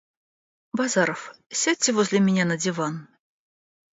Базаров, сядьте возле меня на диван.